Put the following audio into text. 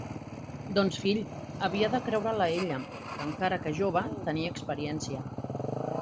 Doncs fill, havia de creure-la a ella, que, encara que jove, tenia experiència.